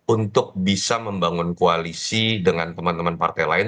untuk bisa membangun koalisi dengan teman teman partai lain